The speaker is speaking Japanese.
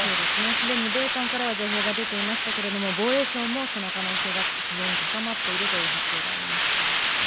すでに米韓からは情報が出ていましたけれども、防衛省もその可能性が非常に高まっているという発表がありました。